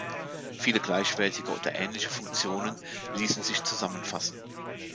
Viele gleichwertige oder ähnliche Funktionen ließen sich zusammenfassen.